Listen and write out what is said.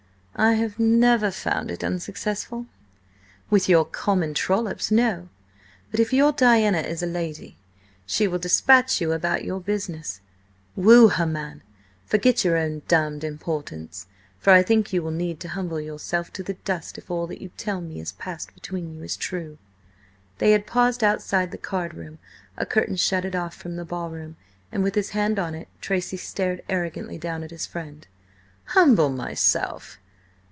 "I have never found it unsuccessful." "With your common trollops, no! But if your Diana is a lady, she will dispatch you about your business! Woo her, man! Forget your own damned importance, for I think you will need to humble yourself to the dust if all that you tell me has passed between you is true!" They had paused outside the card room. A curtain shut it off from the ball room, and with his hand on it, Tracy stared arrogantly down at his friend. "Humble myself?